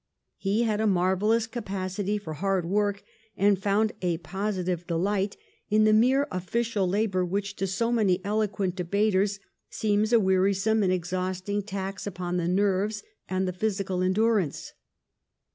He had a marvellous capacity for hard work, and found a positive delight in the mere 62 THE REIGN OF QUEEN ANNE. ch. xxiv. oflScial labour which to so many eloquent debaters seems a wearisome and exhausting tax upon the nerves and the physical endurance.